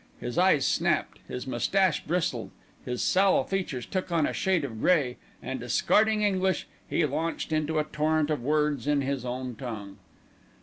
His eyes snapped, his moustache bristled, his sallow features took on a shade of grey and, discarding English, he launched into a torrent of words in his own tongue.